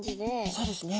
そうですね。